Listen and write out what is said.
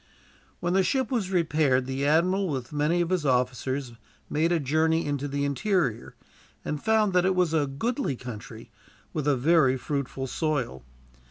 When the ship was repaired, the admiral, with many of his officers, made a journey into the interior, and found that it was a goodly country, with a very fruitful soil.